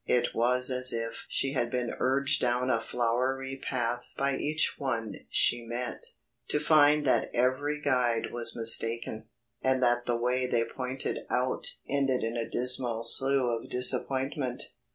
It was as if she had been urged down a flowery path by each one she met, to find that every guide was mistaken, and that the way they pointed out ended in a dismal slough of disappointment.